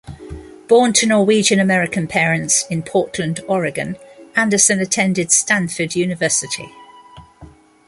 Born to Norwegian-American parents in Portland, Oregon, Andersen attended Stanford University.